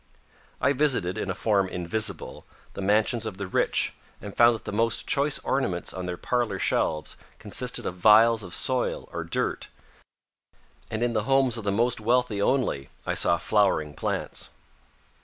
I visited, in a form invisible, the mansions of the rich and found that the most choice ornaments on their parlor shelves consisted of vials of soil or dirt, and in the homes of the most wealthy only I saw flowering plants.